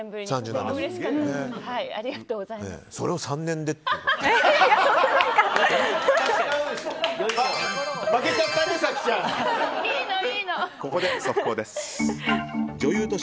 それを３年でと。